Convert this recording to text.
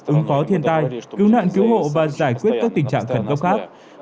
ứng phó thiên tai cứu nạn cứu hộ và giải quyết các tình trạng khẩn cấp khác